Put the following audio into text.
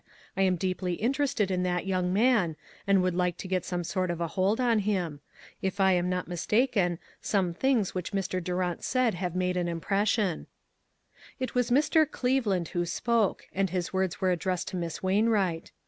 I am deeply interested in that young man, and would like to get some sort of a hold on him. If I am not mistaken, some things which Mr. Durant said have made an impression." It was Mr. Cleveland who spoke, and his words were addressed to Miss Wain wright.